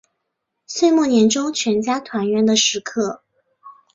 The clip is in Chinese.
岁末年终全家团圆的时刻